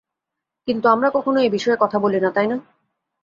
কিন্তু আমরা কখনো এই বিষয়ে কথা বলি না, তাই না?